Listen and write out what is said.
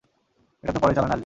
এটা তো পরের চালানে আসবে।